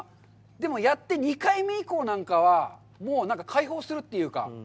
でも、やって、２回目以降なんかは、もうなんか開放するというか。